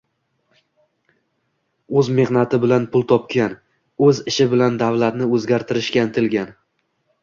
oʻz mehnati bilan pul topgan, oʻz ishi bilan davlatni oʻzgartirishga intilgan.